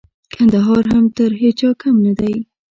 کندهار هم تر هيچا کم نه دئ.